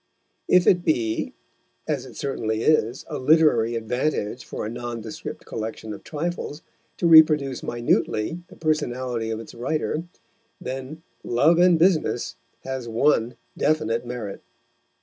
If it be, as it certainly is, a literary advantage for a nondescript collection of trifles, to reproduce minutely the personality of its writer, then Love and Business has one definite merit.